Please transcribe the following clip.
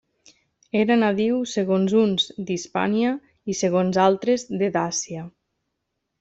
Era nadiu segons uns d'Hispània i segons altres de Dàcia.